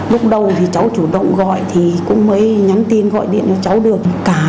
lúc đầu thì cháu chủ động gọi thì cũng mới nhắn tin gọi điện cho cháu được cả